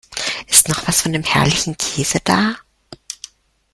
Ist noch was von dem herrlichen Käse da?